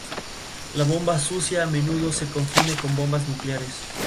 La bomba sucia a menudo se confunde con bombas nucleares.